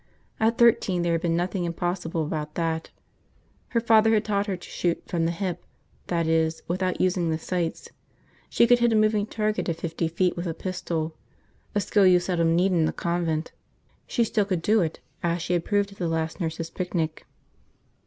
At thirteen, there had been nothing impossible about that. Her father had taught her to shoot "from the hip," that is, without using the sights. She could hit a moving target at fifty feet with a pistol – a skill you seldom needed in the convent. She still could do it, as she had proved at the last nurses' picnic.